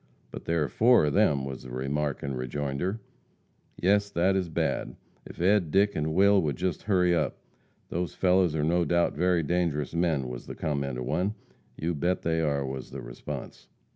"But there are four of them," was the remark in rejoinder. "Yes that is bad. If Ed, Dick and Will would just hurry up. Those fellows are no doubt very dangerous men," was the comment of one. "You bet they are," was the response.